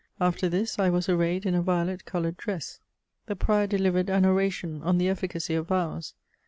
After this I was arrayed in a violet coloured dress. The Prior delivered an oration on the efficacy of vows.